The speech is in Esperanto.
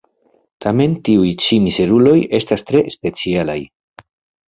Tamen tiuj ĉi mizeruloj estas tre specialaj.